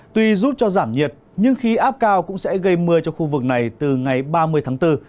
tuy giúp cho giảm nhiệt nhưng khí áp cao cũng sẽ gây mưa cho khu vực này từ ngày ba mươi tháng bốn